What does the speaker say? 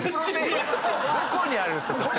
どこにあるんすか？